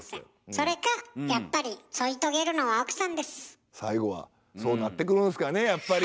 それかやっぱり最後はそうなってくるんすかねやっぱり。